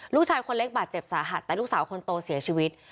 ลูกชายคนเล็กบาดเจ็บสาหัสแต่ลูกสาวคนโตเสียชีวิต